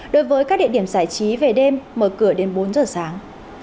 đối với các địa điểm giải trí về đêm mở cửa đến bốn giờ sáng